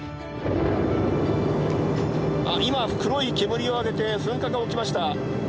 「あっ今黒い煙を上げて噴火が起きました」。